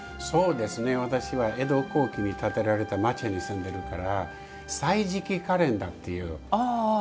私は江戸後期にたてられた町に住んでいるから歳時記カレンダーという。